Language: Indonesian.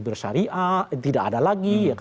bersyariah tidak ada lagi